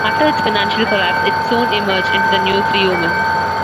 After its financial collapse, it soon emerged into the New Freewoman.